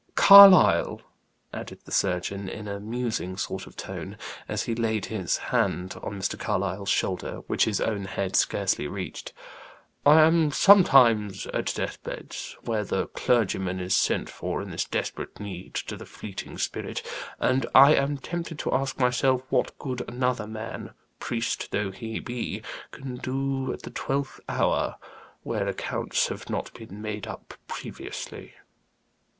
"Carlyle," added the surgeon, in a musing sort of tone, as he laid his hand on Mr. Carlyle's shoulder, which his own head scarcely reached, "I am sometimes at death beds where the clergyman is sent for in this desperate need to the fleeting spirit, and I am tempted to ask myself what good another man, priest though he be, can do at the twelfth hour, where accounts have not been made up previously?"